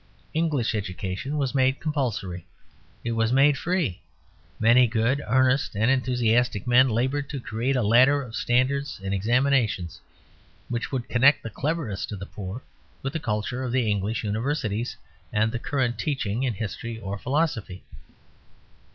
English education was made compulsory; it was made free; many good, earnest, and enthusiastic men laboured to create a ladder of standards and examinations, which would connect the cleverest of the poor with the culture of the English universities and the current teaching in history or philosophy.